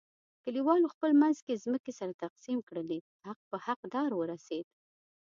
کلیوالو خپل منځ کې ځمکې سره تقسیم کړلې، حق په حق دار ورسیدا.